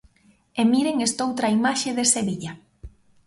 E miren estoutra imaxe de Sevilla.